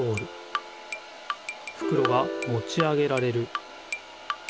ふくろがもち上げられる。